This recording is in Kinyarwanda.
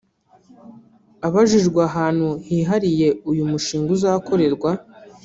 Abajijwe ahantu hihariye uyu mushinga uzakorerwa